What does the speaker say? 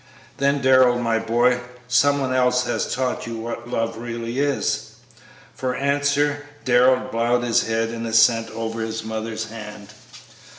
"Then, Darrell, my boy, some one else has taught you what love really is?" For answer Darrell bowed his head in assent over his mother's hand.